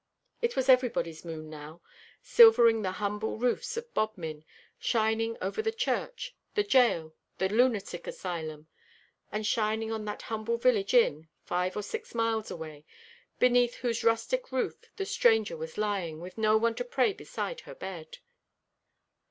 It was everybody's moon now, silvering the humble roofs of Bodmin, shining over the church, the gaol, the lunatic asylum, and shining on that humble village inn five or six miles away, beneath whose rustic roof the stranger was lying, with no one to pray beside her bed.